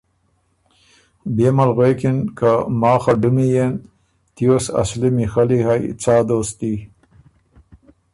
بيې مل غوېکِن که ”ماخ خه ډُمی یېن تیوس اصلی میخلّی هئ څا دوستي؟“